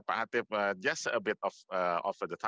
meskipun sangat sukar